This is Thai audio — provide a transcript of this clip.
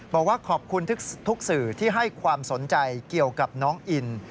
บอกว่าขอบคุณทุกสื่อที่ให้ความสนใจเกี่ยวกับน้องอิน